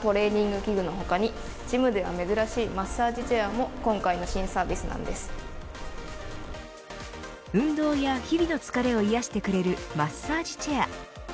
さまざまなトレーニング器具のあるジムで新しいマッサージチェアも運動や日々の疲れを癒やしてくれるマッサージチェア。